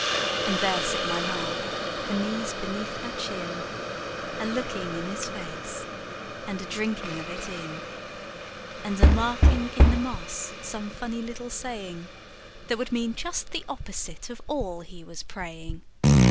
And there sit my Ma, her knees beneath her chin, A looking in his face and a drinking of it in, And a marking in the moss some funny little saying That would mean just the opposite of all he was praying!